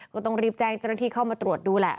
ก็ต้องรีบแจ้งเจ้าหน้าที่เข้ามาตรวจดูแหละ